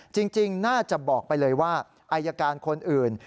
จริงน่าจะบอกไปเลยว่าอายการคนอื่น